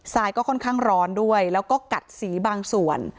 รายก็ค่อนข้างร้อนด้วยแล้วก็กัดสีบางส่วน